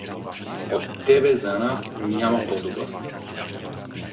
— От тебе за нас няма по-добър!